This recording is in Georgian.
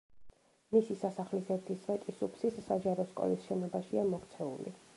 მისი სასახლის ერთი სვეტი სუფსის საჯარო სკოლის შენობაშია მოქცეული.